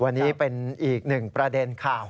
วันนี้เป็นอีกหนึ่งประเด็นข่าว